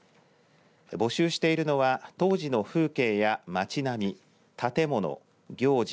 募集しているのは当時の風景や町並み建物、行事